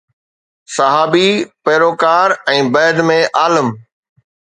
صحابي، پيروڪار ۽ بعد ۾ عالم